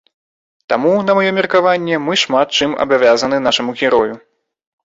Таму, на маё меркаванне, мы шмат чым абавязаны нашаму герою.